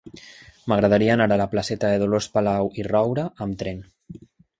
M'agradaria anar a la placeta de Dolors Palau i Roura amb tren.